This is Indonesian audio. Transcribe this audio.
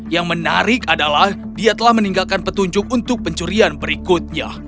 yang menarik adalah dia telah meninggalkan petunjuk untuk pencurian berikutnya